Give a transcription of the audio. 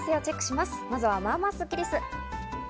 まずはまぁまぁスッキりす。